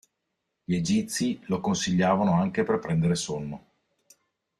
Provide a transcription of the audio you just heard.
Gli egizi lo consigliavano anche per prendere sonno.